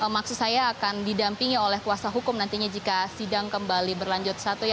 maksud saya akan didampingi oleh kuasa hukum nantinya jika sidang kembali berlanjut